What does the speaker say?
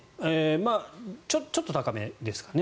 ちょっと高めですかね。